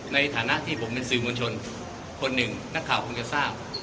ในฐานะที่ผมเป็นสื่อมวลชนคนหนึ่งนักข่าวคงจะทราบ